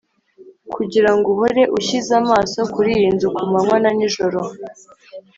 kugira ngo uhore ushyize amaso kuri iyi nzu ku manywa na nijoro,